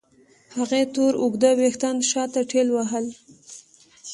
هغې تور اوږده وېښتان شاته ټېلوهل.